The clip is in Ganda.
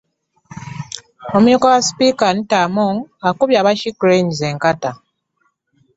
Omumyuka wa sipiika Anita Among akubye aba She Cranes enkata